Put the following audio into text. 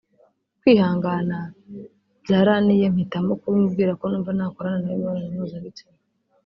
kwihangana byaraniye mpitamo kubimubwira ko numva nakorana nawe imibonanao mpuzabitsina